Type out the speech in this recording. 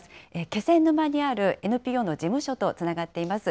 気仙沼にあるＮＰＯの事務所とつながっています。